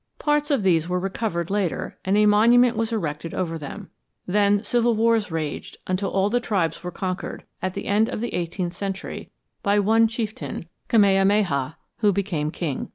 Parts of these were recovered later and a monument was erected over them. Then civil wars raged until all the tribes were conquered, at the end of the eighteenth century, by one chieftain, Kamehameha, who became king.